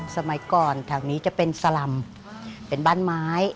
สมัยก่อนแถวนี้จะเป็นสลำเป็นบ้านไม้